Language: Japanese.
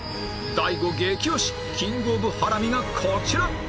ＤＡＩＧＯ 激推しキングオブハラミがこちら！